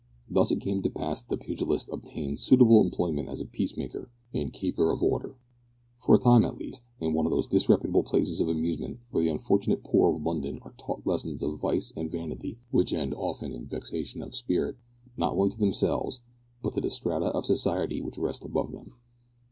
Thus it came to pass that the pugilist obtained suitable employment as a peacemaker and keeper of order, for a time at least, in one of those disreputable places of amusement where the unfortunate poor of London are taught lessons of vice and vanity which end often in vexation of spirit, not only to themselves, but to the strata of society which rest above them.